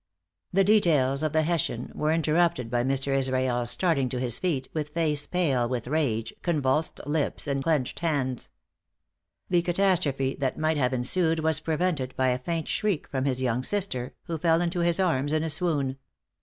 The details of the Hessian were interrupted by Mr. Israel's starting to his feet, with face pale with rage, convulsed lips, and clenched hands. The catastrophe that might have ensued was prevented by a faint shriek from his young sister, who fell into his arms in a swoon.